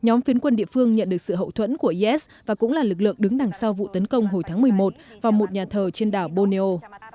nhóm phiến quân địa phương nhận được sự hậu thuẫn của is và cũng là lực lượng đứng đằng sau vụ tấn công hồi tháng một mươi một vào một nhà thờ trên đảo borneo